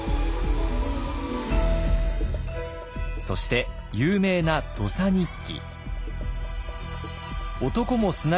そして有名な「土佐日記」。